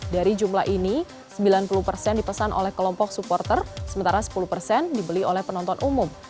dari jumlah ini sembilan puluh persen dipesan oleh kelompok supporter sementara sepuluh persen dibeli oleh penonton umum